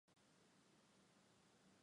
Ойлаш тӱҥалеш ыле гынат, ойленже ок сеҥе ыле.